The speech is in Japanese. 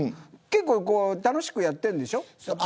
結構、楽しくやってるんでしょ。